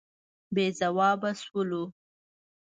بې ځوابه شولو.